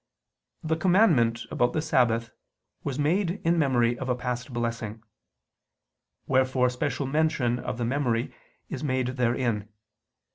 5: The commandment about the Sabbath was made in memory of a past blessing. Wherefore special mention of the memory is made therein.